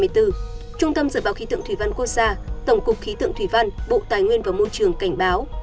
trung tâm dự báo khí tượng thủy văn quốc gia tổng cục khí tượng thủy văn bộ tài nguyên và môi trường cảnh báo